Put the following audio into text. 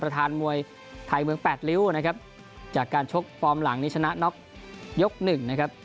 ประธานมวยไทยเมืองแปดริ้วนะครับจากการชกฟอร์มหลังนี้ชนะน็อกยกหนึ่งนะครับ